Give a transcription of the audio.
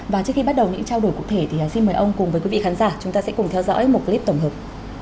và trước khi bắt đầu những trao đổi cụ thể thì xin mời ông cùng với quý vị khán giả chúng ta sẽ cùng theo dõi một clip tổng hợp